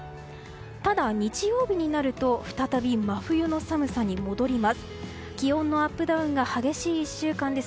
ただ、日曜日になると再び真冬の寒さに戻ります。